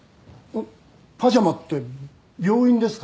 パジャマって病院ですか？